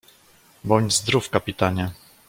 "Bądź zdrów, kapitanie!"